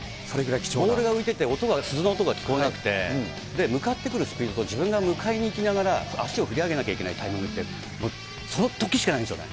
ボールが浮いてて、鈴の音が聞こえなくて、向かってくるスピードと自分が迎えに行きながら、足を振り上げなきゃいけないタイミングってそのときしかないんですよね。